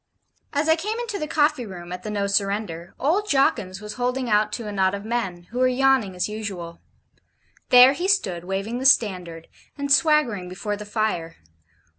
As I came into the coffee room at the 'No Surrender,' old Jawkins was holding out to a knot of men, who were yawning, as usual. There he stood, waving the STANDARD, and swaggering before the fire.